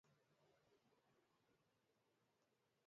எது வேண்டுமோ அதை நாமே பறிமாறிக்கொள்கிறோம்.